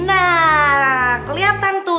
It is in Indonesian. nah keliatan tuh